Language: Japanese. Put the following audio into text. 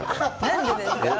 何ですか。